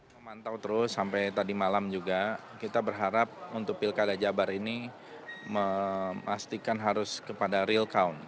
memantau terus sampai tadi malam juga kita berharap untuk pilkada jabar ini memastikan harus kepada real count